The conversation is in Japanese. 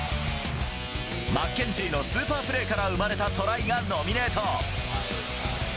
マッケンジーのスーパープレーから生まれたトライがノミネート。